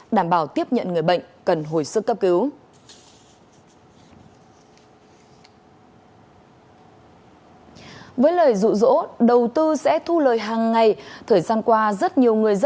đảm bảo tiếp nhận người bệnh cần hồi sức cấp cứu